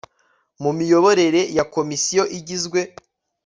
mu miyoborere ya komisiyo igizwe